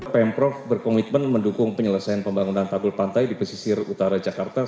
pemprov berkomitmen mendukung penyelesaian pembangunan tanggul pantai di pesisir utara jakarta